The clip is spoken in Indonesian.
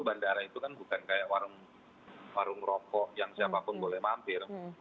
bandara itu kan bukan kayak warung rokok yang siapapun boleh mampir